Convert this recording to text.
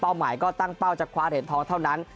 เป้าหมายก็ตั้งเป้าจากคว้าเทเอนทองเท่านั้น